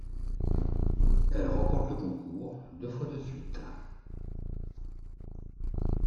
Elle remporte le concours deux fois de suite.